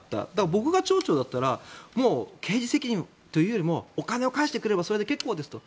僕が町長だったらもう刑事責任というよりもお金を返してくれればそれで結構ですと。